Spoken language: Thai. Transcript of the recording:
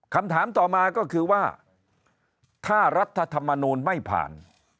คำถามต่อมาก็คือว่าถ้ารัฐธรรมนูลไม่ผ่าน